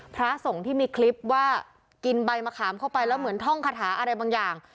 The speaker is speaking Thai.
พระสงฆ์ที่มีคลิปว่ากินใบมะขามเข้าไปแล้วเหมือนท่องคาถาอะไรบางอย่าง